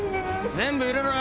全部入れろ！